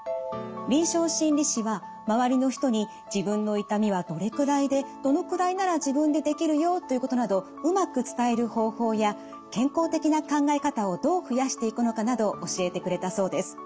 臨床心理士は周りの人に自分の痛みはどれくらいでどのくらいなら自分でできるよということなどうまく伝える方法や健康的な考え方をどう増やしていくのかなど教えてくれたそうです。